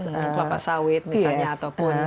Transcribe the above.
kelapa sawit misalnya ataupun